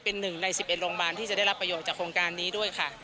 เป็นหนึ่งใน๑๑โรงพยาบาลที่จะได้รับประโยชน์จากโครงการนี้ด้วยค่ะ